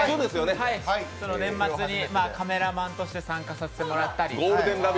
年末にカメラマンとして参加させてもらったり。